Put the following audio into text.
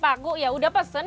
beli paku ya udah pesen ya